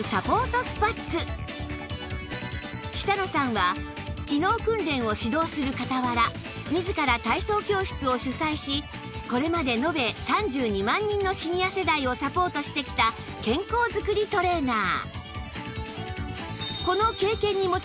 久野さんは機能訓練を指導する傍ら自ら体操教室を主催しこれまで延べ３２万人のシニア世代をサポートしてきた健康づくりトレーナー